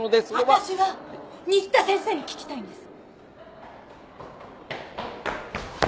私は新田先生に聞きたいんです。